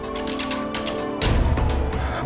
bangun susu goreng